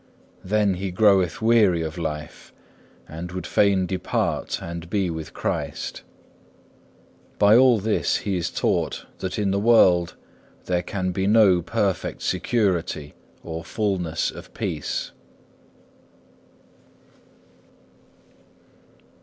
Then he groweth weary of life, and would fain depart and be with Christ. By all this he is taught that in the world there can be no perfect security or fulness of peace.